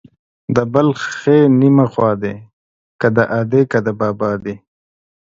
د بل ښې نيمه خوا دي ، که د ادې که د بابا دي.